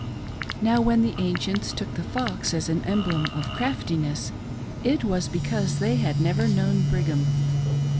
Now when the ancients, took the fox as an emblem of craft iness, it was because they had never known "Brigham.